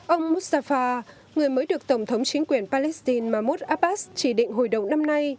ông mustafa người mới được tổng thống chính quyền palestine mahmoud abbas chỉ định hồi đầu năm nay